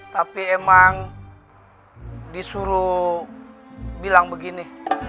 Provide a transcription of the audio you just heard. tapi emang disuruh bilang begini